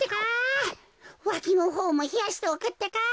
わきのほうもひやしておくってか。